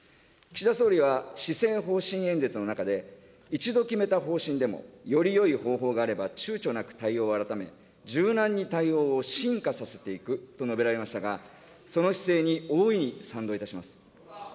岸田総理は施政方針演説の中で、一度決めた方針でも、よりよい方法があれば、ちゅうちょなく対応を改め、柔軟に対応を進化させていくと述べられましたが、その姿勢に大いに賛同いたします。